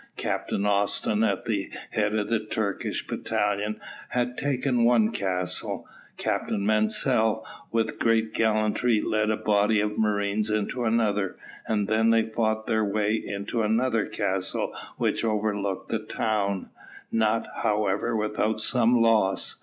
Captain Austin, at the head of a Turkish battalion, had taken one castle, Captain Mansel, with great gallantry, led a body of marines into another, and then they fought their way into another castle which overlooked the town, not, however, without some loss.